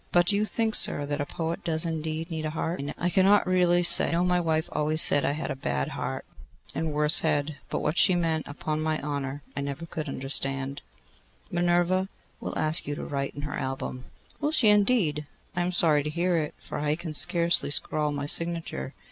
But do you think, sir, that a poet does indeed need a heart?' 'I really cannot say. I know my wife always said I had a bad heart and worse head; but what she meant, upon my honour I never could understand.' 'Minerva will ask you to write in her album.' 'Will she indeed! I am sorry to hear it, for I can scarcely scrawl my signature.